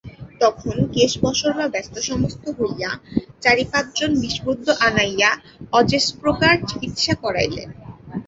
তখন কেশবশর্মা ব্যস্ত সমস্ত হইয়া চারি পাঁচ জন বিষবৈদ্য আনাইয়া অযেশপ্রকার চিকিৎসা করাইলেন।